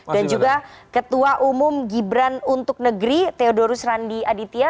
dan juga ketua umum gibran untuk negeri theodorus randi aditya